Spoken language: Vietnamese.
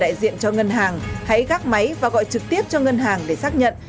đại diện cho ngân hàng hãy gác máy và gọi trực tiếp cho ngân hàng để xác nhận